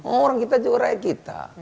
orang kita curai kita